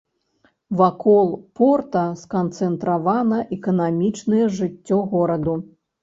Вакол порта сканцэнтравана эканамічнае жыццё гораду.